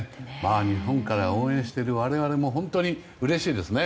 日本から応援している我々も本当にうれしいですね。